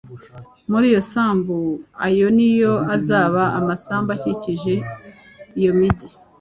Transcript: muri iyo sambu ayo ni yo azaba amasambu akikije iyo migi